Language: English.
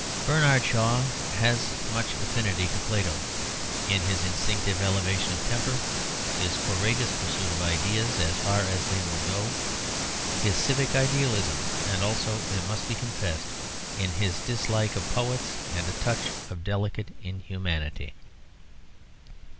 Bernard Shaw has much affinity to Plato in his instinctive elevation of temper, his courageous pursuit of ideas as far as they will go, his civic idealism; and also, it must be confessed, in his dislike of poets and a touch of delicate inhumanity.